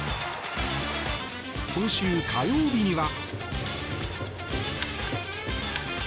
今週火曜日には。